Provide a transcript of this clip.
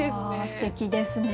すてきですね。